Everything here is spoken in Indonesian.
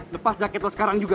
lepas jaket sekarang juga